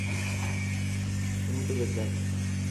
তুমি তো বেঁচে আছো!